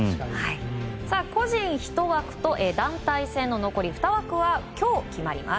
個人１枠と団体戦の残り２枠は今日決まります。